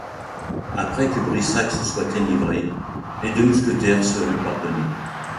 Après que Brissac se soit enivré, les deux mousquetaires seront pardonnés.